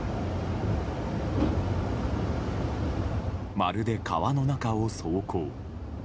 まるで川の中を走行。